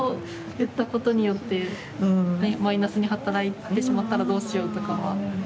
言ったことによってマイナスに働いてしまったらどうしようとか。